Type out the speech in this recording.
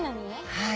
はい。